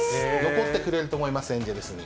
残ってくれると思います、エンゼルスに。